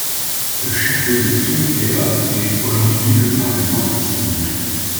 Le château de Toompea abrite aujourd'hui le parlement estonien.